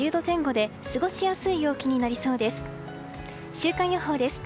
週間予報です。